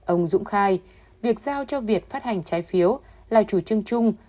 ông dũng khai việc giao cho việc phát hành trái phiếu là chủ trưng chung